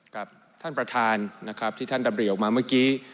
กับท่านประธานนะครับที่ท่านดำรีออกมาเมื่อกี้